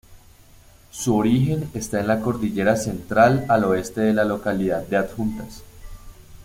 Su origen está en la Cordillera Central al oeste de la localidad de Adjuntas.